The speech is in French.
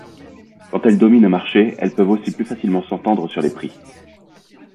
Quand elles dominent un marché, elles peuvent aussi plus facilement s'entendre sur les prix.